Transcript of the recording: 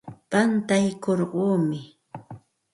Pantaykurquumi.